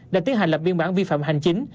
đã tiến hành lập biên bản vi phạm hành chính